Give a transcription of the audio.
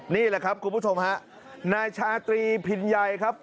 นี่แหละครับคุณผู้ชมฮะนายชาตรีพินัยครับ